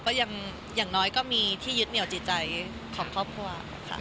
อย่างน้อยก็มีที่ยึดเหนียวจิตใจของครอบครัวค่ะ